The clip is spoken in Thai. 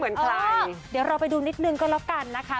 เป็นเหมือนใครเดี๋ยวเราไปดูนิดนึงก็แล้วกันนะคะ